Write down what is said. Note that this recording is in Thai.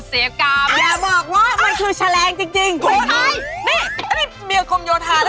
เออบอกว่ามันคือแชลงจริง